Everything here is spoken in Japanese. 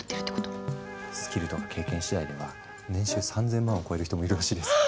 スキルとか経験次第では年収３，０００万を超える人もいるらしいです。